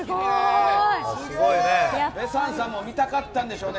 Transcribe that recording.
ベサンさんも見たかったんでしょうね。